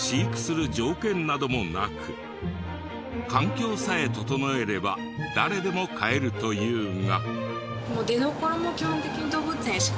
環境さえ整えれば誰でも飼えるというが。